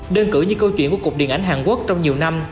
đơn cử như câu chuyện của cục điện ảnh hàn quốc trong nhiều năm